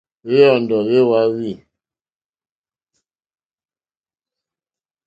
Wéyɔ́ndɔ̀ wé wáwî.